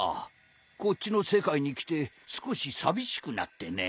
こっちの世界に来て少し寂しくなってね。